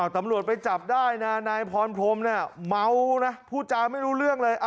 ตำรวจไปจับได้นะนายพรพรมเนี่ยเมานะพูดจาไม่รู้เรื่องเลย